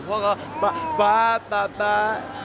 เพราะเขาก็ป่าว